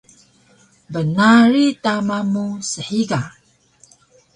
bnarig tama mu shiga